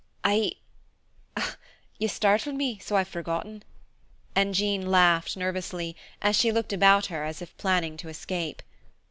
"I I you startled me so I've forgotten." And Jean laughed, nervously, as she looked about her as if planning to escape.